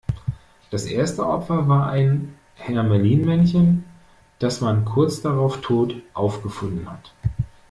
Das erste Opfer war ein Hermelin-Männchen, das man kurz drauf tot aufgefunden hat.